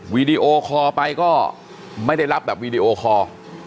วีดีโอคอลไปก็ไม่ได้รับแบบวีดีโอคอร์